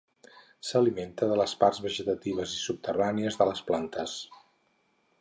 S'alimenta de les parts vegetatives i subterrànies de les plantes.